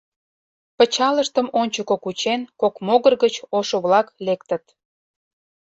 Пычалыштым ончыко кучен, кок могыр гыч ошо-влак лектыт.